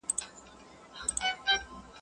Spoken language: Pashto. o د غله مور په غلا ژاړي.